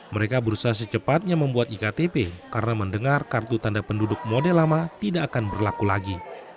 mereka berusaha secepatnya membuat iktp karena mendengar kartu tanda penduduk model lama tidak akan berlaku lagi